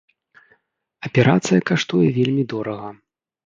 Аперацыя каштуе вельмі дорага.